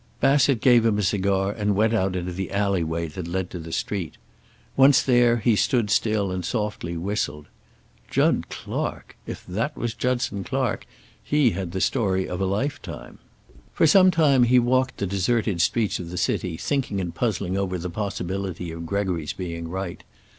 Bassett gave him a cigar and went out into the alley way that led to the street. Once there, he stood still and softly whistled. Jud Clark! If that was Judson Clark, he had the story of a lifetime. For some time he walked the deserted streets of the city, thinking and puzzling over the possibility of Gregory's being right.